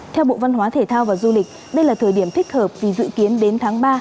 theo bộ văn hóa thể thao và du lịch đây là thời điểm thích hợp vì dự kiến đến tháng ba